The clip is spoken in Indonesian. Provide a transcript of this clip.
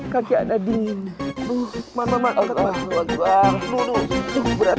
kaki anak dingin